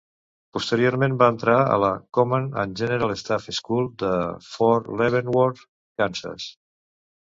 Posteriorment, va entrar a la Command and General Staff School de Fort Leavenworth, Kansas.